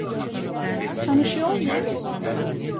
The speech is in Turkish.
Tanışıyor muyuz?